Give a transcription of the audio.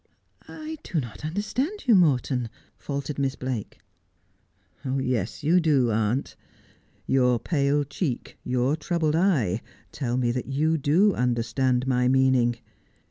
' I do not understand you, Morton,' faltered Miss Blake. ' Yes, you do, aunt. Your pale cheek, your troubled eye, tell me that you do understand my meaning.